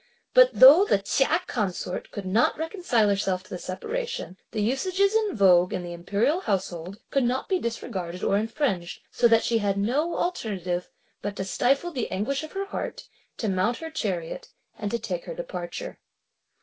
But though the Chia consort could not reconcile herself to the separation, the usages in vogue in the imperial household could not be disregarded or infringed, so that she had no alternative but to stifle the anguish of her heart, to mount her chariot, and take her departure.